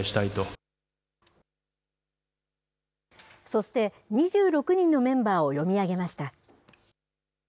そして、２６人のメンバーを読み上げました。